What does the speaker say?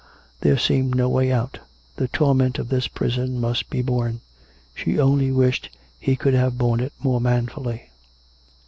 There seemed no way out; the torment of this prison must be borne. She only wished he could have borne it more manfully.